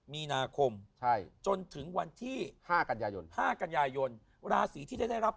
มีนาคมจนถึงวันที่๕กันยายน๕กันยายนราศีที่จะได้รับ